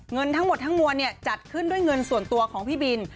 เงินทั้งหมดทั้งมวลจัดขึ้นด้วยเงินส่วนตัวของพี่บิน